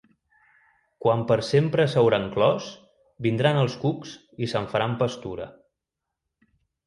Quan per sempre s’hauran clos, vindran els cucs i se'n faran pastura.